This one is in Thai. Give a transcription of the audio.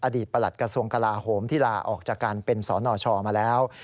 ประหลัดกระทรวงกลาโหมที่ลาออกจากการเป็นสนชมาแล้ว